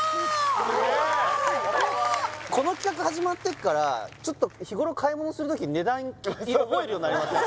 すげえこれはこの企画始まってからちょっと日頃買い物する時値段覚えるようになりません？